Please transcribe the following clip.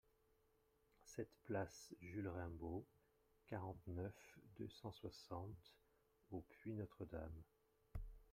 sept place Jules Raimbault, quarante-neuf, deux cent soixante au Puy-Notre-Dame